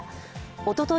おととい